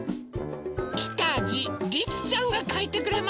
きたぢりつちゃんがかいてくれました。